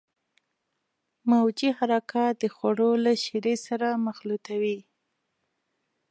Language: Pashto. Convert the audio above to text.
موجي حرکات د خوړو له شیرې سره مخلوطوي.